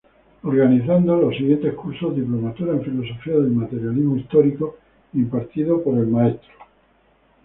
Organizando los siguientes cursos: diplomatura en "filosofía del materialismo histórico" impartido por el Mtro.